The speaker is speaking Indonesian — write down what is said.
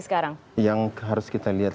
sekarang yang harus kita lihat